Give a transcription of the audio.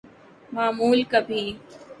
معمول کبھی ‘‘۔